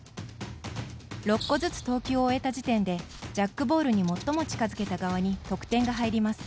６個ずつの投球を終えた時点でジャックボールに最も近づけた側に得点が入ります。